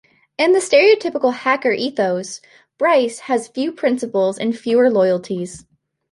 In the stereotypical hacker ethos, Bryce has few principles and fewer loyalties.